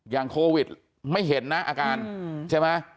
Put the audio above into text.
โควิดไม่เห็นนะอาการใช่ไหม